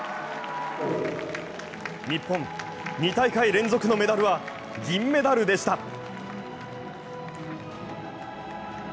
日本２大会連続のメダルは銀メダルでした。